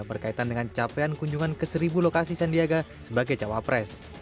berkaitan dengan capaian kunjungan ke seribu lokasi sandiaga sebagai cawapres